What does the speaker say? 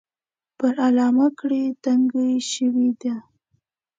پر علامه کړۍ تنګه شوې ده.